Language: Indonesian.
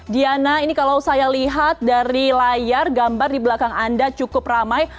diana ini kalau saya lihat dari layar gambar di belakang anda cukup ramai